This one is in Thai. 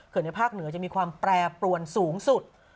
ในภาคเหนือจะมีความแปรปรวนสูงสุด